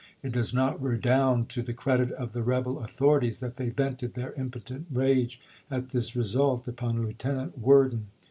It does not re i.", p'. 460. ' dound to the credit of the rebel authorities that they vented their impotent rage at this result upon Lieutenant Worden.